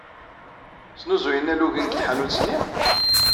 Snuzuyen alugen deg tḥanut-nni?